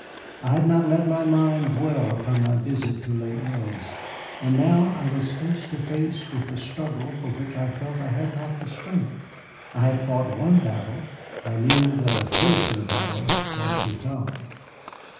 I had not let my mind dwell upon my visit to Les Îles, and now I was face to face with the struggle for which I felt I had not the strength. I had fought one battle, I knew that a fiercer battle was to come.